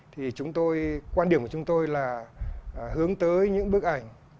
thì quan điểm của chúng tôi là hướng tới những bức ảnh